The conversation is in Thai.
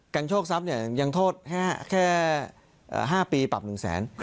กัญชกทรัพย์เนี่ยยังโทษแค่๕ปีปรับ๑แสน